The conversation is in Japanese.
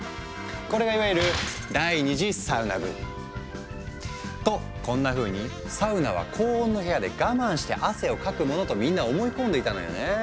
これがいわゆるとこんなふうに「サウナは高温の部屋で我慢して汗をかくもの」とみんな思い込んでいたのよね。